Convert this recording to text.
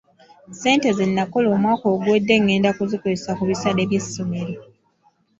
Ssente ze nakola omwaka oguwedde ngenda kuzikozesa ku bisale by’essomero.